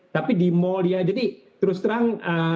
tapi di mall ya jadi terus terang